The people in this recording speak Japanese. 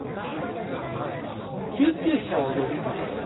救急車を呼びます。